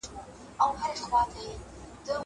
مړۍ پخه کړه.